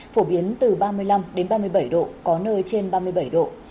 phổ biến từ ba mươi năm đến ba mươi bảy độ có nơi trên ba mươi bảy độ